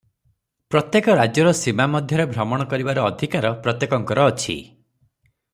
ପ୍ରତ୍ୟେକ ରାଜ୍ୟର ସୀମା ମଧ୍ୟରେ ଭ୍ରମଣ କରିବାର ଅଧିକାର ପ୍ରତ୍ୟେକଙ୍କର ଅଛି ।